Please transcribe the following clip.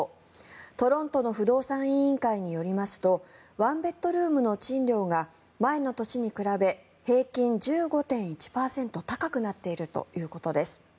トロントの不動産委員会によりますとワンベッドルームの賃料が前の年に比べ平均１５．１％高くなっているということです。